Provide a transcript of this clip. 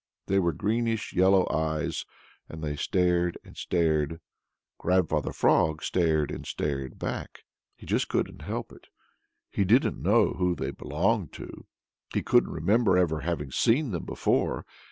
They were greenish yellow eyes, and they stared and stared. Grandfather Frog stared and stared back. He just couldn't help it. He didn't know who they belonged to. He couldn't remember ever having seen them before.